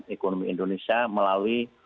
ekonomi indonesia melalui